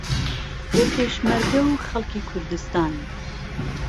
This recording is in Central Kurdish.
بۆ پێشمەرگەو خەڵکی کوردستان